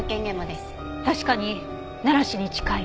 確かに奈良市に近い。